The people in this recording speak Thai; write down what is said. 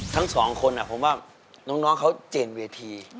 ทั้งสองคนผมว่าน้องเขาเจนเวที